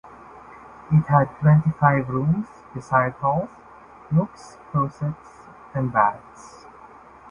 It had twenty-five rooms, besides halls, nooks, closets, and baths.